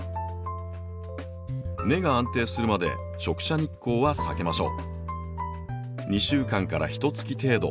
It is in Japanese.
根が安定するまで直射日光は避けましょう。